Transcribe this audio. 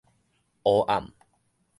烏暗